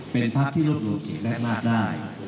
เป็นภาพที่ลดโรคเสียงแรกมากได้